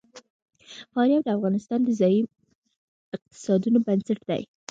فاریاب د افغانستان د ځایي اقتصادونو بنسټ دی.